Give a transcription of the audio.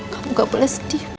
kamu gak boleh sedih